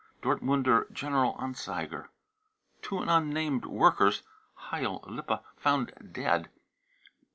(Dortmunder General Anzeiger.) two unnamed workers, Heil, Lippe, found dead.